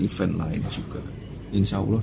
event lain juga insya allah